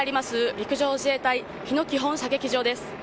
陸上自衛隊日野基本射撃場です。